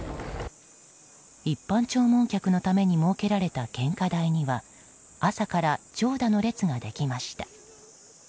一般弔問客のために設けられた献花台には朝から長蛇の列ができました。